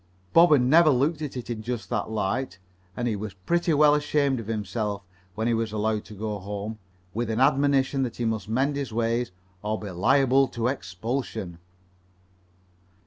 Bob had never looked at it in just that light, and he was pretty well ashamed of himself when he was allowed to go home, with an admonition that he must mend his ways or be liable to expulsion.